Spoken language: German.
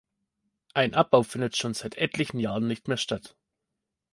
Ein Abbau findet schon seit etlichen Jahren nicht mehr statt.